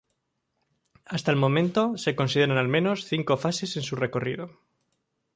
Hasta el momento se consideran al menos cinco fases en su recorrido.